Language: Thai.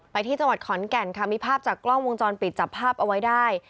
ที่จังหวัดขอนแก่นค่ะมีภาพจากกล้องวงจรปิดจับภาพเอาไว้ได้